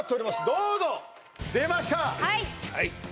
どうぞ出ましたさあ